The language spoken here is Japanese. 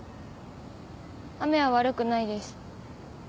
雨は悪くないです。